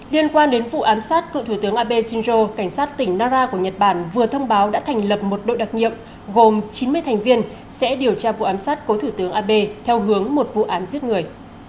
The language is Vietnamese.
liên quan đến vụ ám sát cựu thủ tướng abe shinzo cảnh sát tỉnh nara của nhật bản vừa thông báo đã thành lập một đội đặc nhiệm gồm chín mươi thành viên sẽ điều tra vụ ám sát cố thủ tướng abe theo hướng một vụ án giết người